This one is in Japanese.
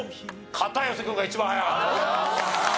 片寄君が一番早かったです。